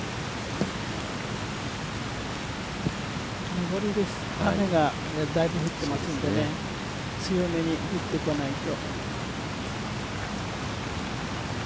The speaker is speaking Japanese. のぼりです、雨がだいぶ降ってますので強めに打ってこないと。